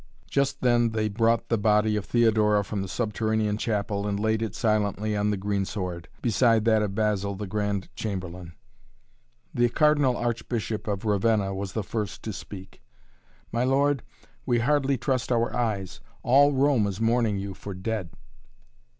Just then they brought the body of Theodora from the subterranean chapel and laid it silently on the greensward, beside that of Basil, the Grand Chamberlain. The Cardinal Archbishop of Ravenna was the first to speak. "My lord, we hardly trust our eyes. All Rome is mourning you for dead."